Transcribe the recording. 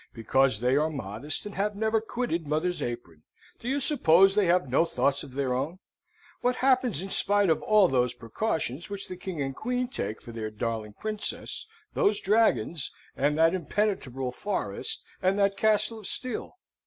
Because they are modest and have never quitted mother's apron, do you suppose they have no thoughts of their own? What happens in spite of all those precautions which the King and Queen take for their darling princess, those dragons, and that impenetrable forest, and that castle of steel?